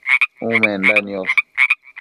Umenda niosh